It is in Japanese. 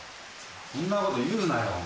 そんなこと言うなよ。